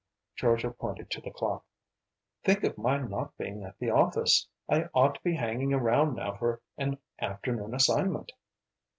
Georgia pointed to the clock. "Think of my not being at the office! I ought to be hanging around now for an afternoon assignment."